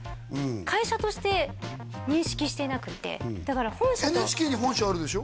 会社として認識していなくてだから本社とＮＨＫに本社あるでしょ？